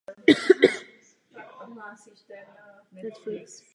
Samice snáší jedno vejce.